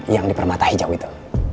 yang di permata hijau itu